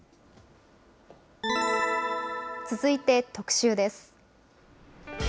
続いて、特集です。